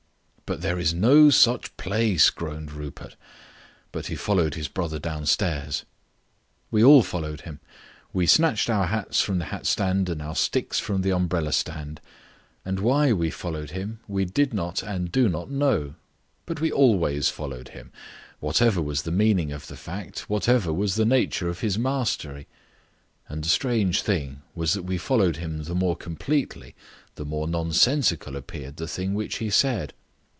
"But there is no such place," groaned Rupert; but he followed his brother downstairs. We all followed him. We snatched our hats from the hat stand and our sticks from the umbrella stand; and why we followed him we did not and do not know. But we always followed him, whatever was the meaning of the fact, whatever was the nature of his mastery. And the strange thing was that we followed him the more completely the more nonsensical appeared the thing which he said.